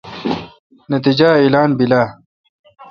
نتییجہ اعلان بیل آ؟